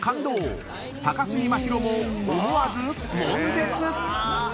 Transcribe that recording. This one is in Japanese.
［高杉真宙も思わずもん絶！］